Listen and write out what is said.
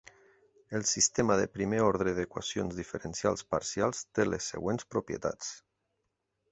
El sistema de primer ordre d"equacions diferencials parcials té les següents propietats.